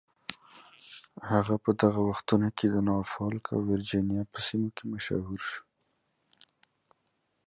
During this time he became popular around the Norfolk, Virginia area.